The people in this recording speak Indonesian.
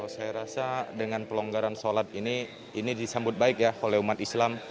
saya rasa dengan pelonggaran sholat ini ini disambut baik ya oleh umat islam